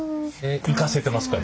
生かせてますか？